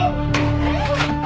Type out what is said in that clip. えっ！？